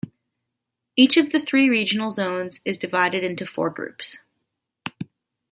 Each of the three regional zones is divided into four groups.